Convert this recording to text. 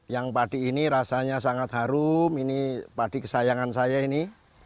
yang padi ini rasanya sangat harum ini padi kesayangan saya ini